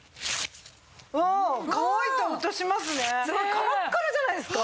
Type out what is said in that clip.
カラッカラじゃないですか！